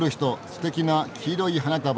すてきな黄色い花束！